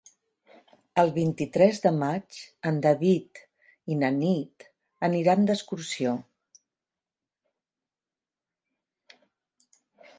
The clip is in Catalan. El vint-i-tres de maig en David i na Nit aniran d'excursió.